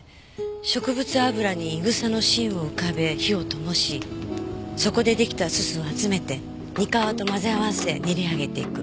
植物油にいぐさの芯を浮かべ火を灯しそこで出来たすすを集めてにかわと混ぜ合わせ練り上げていく。